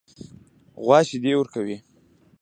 غوا شیدې ورکوي.